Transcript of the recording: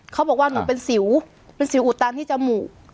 เขาบอกว่าหนูเป็นสิวเป็นสิวอุดตันที่จมูก